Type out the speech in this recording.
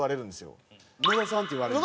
「野田さん」って言われるんだ。